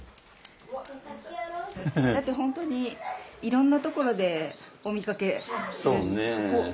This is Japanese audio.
だって本当にいろんなところでお見かけする。